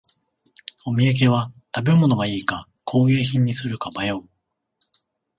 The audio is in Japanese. お土産は食べ物がいいか工芸品にするか迷う